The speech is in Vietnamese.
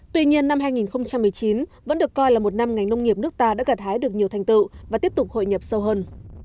tuy nhiên năm hai nghìn một mươi chín vẫn được coi là một năm ngành nông nghiệp nước ta đã gạt hái được nhiều thành tựu và tiếp tục hội nhập sâu hơn